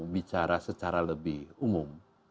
bicara secara lebih umum